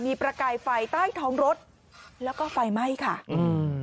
มีประกายไฟใต้ท้องรถแล้วก็ไฟไหม้ค่ะอืม